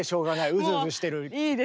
うずうずしてる。